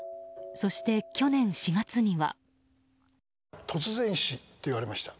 そして、去年４月には。